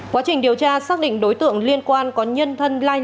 quá trình điều tra xác định đối tượng liên quan đến công ty trách nhiệm hữu hạn giáo dục